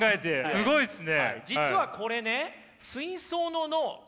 すごいですね。